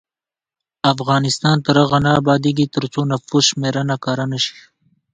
افغانستان تر هغو نه ابادیږي، ترڅو نفوس شمېرنه کره نشي.